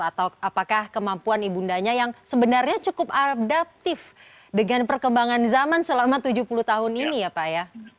atau apakah kemampuan ibundanya yang sebenarnya cukup adaptif dengan perkembangan zaman selama tujuh puluh tahun ini ya pak ya